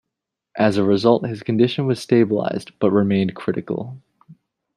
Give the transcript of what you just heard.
As a result his condition was stabilized, but remained critical.